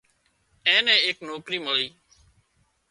اين نين ايڪ نوڪرِي مۯي